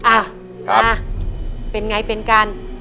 อ่ะมาเป็นไงเป็นกัน